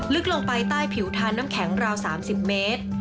ลึกลงไปใต้ผิวทานน้ำแข็งราว๓๐เมตร